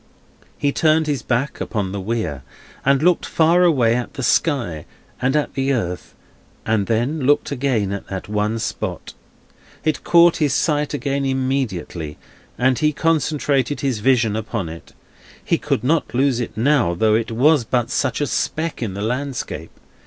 He turned his back upon the Weir, and looked far away at the sky, and at the earth, and then looked again at that one spot. It caught his sight again immediately, and he concentrated his vision upon it. He could not lose it now, though it was but such a speck in the landscape.